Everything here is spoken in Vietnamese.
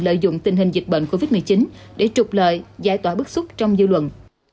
lợi dụng tình hình dịch bệnh covid một mươi chín để trục lợi giải tỏa bức xúc trong dư luận